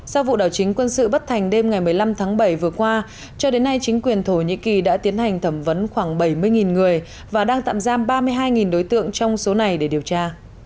sau vụ đảo chính quân sự bất thành đêm ngày một mươi năm tháng bảy vừa qua cho đến nay chính quyền thổ nhĩ kỳ đã tiến hành thẩm vấn khoảng bảy mươi người và đang tạm giam ba mươi hai đối tượng trong số này để điều tra